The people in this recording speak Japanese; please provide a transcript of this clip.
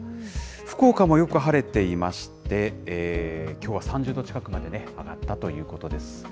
福岡もよく晴れていまして、きょうは３０度近くまで上がったということです。